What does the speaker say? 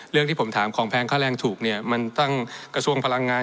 เรื่องที่ผมถามของแพงค่าแรงถูกเนี่ยมันตั้งกระทรวงพลังงาน